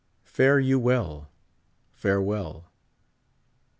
Fare you well ! farewell